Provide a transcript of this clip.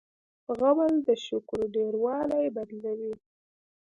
غول د شکر ډېروالی بدلوي.